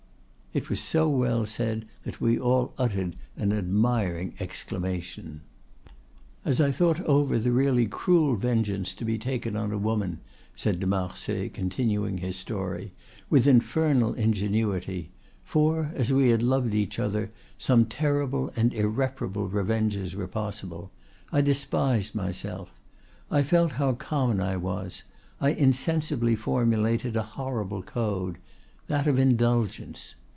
It was so well said that we all uttered an admiring exclamation. "As I thought over the really cruel vengeance to be taken on a woman," said de Marsay, continuing his story, "with infernal ingenuity—for, as we had loved each other, some terrible and irreparable revenges were possible—I despised myself, I felt how common I was, I insensibly formulated a horrible code—that of Indulgence.